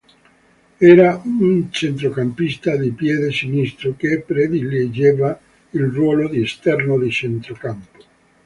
Era un centrocampista di piede sinistro, che prediligeva il ruolo di esterno di centrocampo.